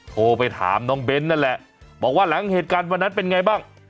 โทรไปถามน้องเบ้นนั่นแหละบอกว่าหลังเหตุการณ์วันนั้นเป็นไงบ้าง